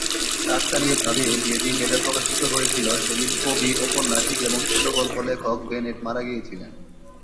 কাকতালীয়ভাবে যেদিন এটা প্রকাশিত হয়েছিল সেদিন কবি, ঐপন্যাসিক এবং ছোট-গল্প লেখক বেনেট মারা গিয়েছিলেন।